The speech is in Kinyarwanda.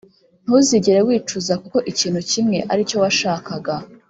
ntuzigere wicuza kuko ikintu kimwe aricyo washakaga.